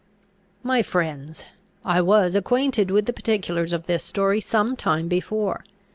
"My friends, I was acquainted with the particulars of this story some time before.